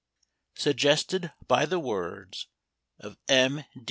Suggested by the words of M.